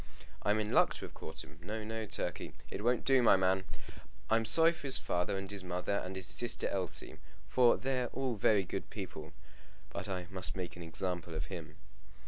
I'm in luck to have caught him. No, no, Turkey; it won't do, my man. I'm sorry for his father and his mother, and his sister Elsie, for they're all very good people; but I must make an example of him."